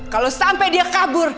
kalau sampai dia kabur